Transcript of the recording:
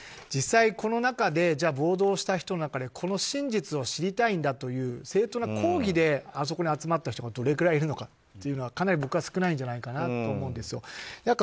実際この中で、暴動をした中でこの真実を知りたいんだという正当な抗議であそこに集まった人がどれぐらいいるのかというのはかなり、僕は少ないんじゃないかと思うんです。